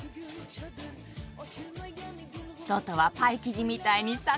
外はパイ生地みたいにサックサク！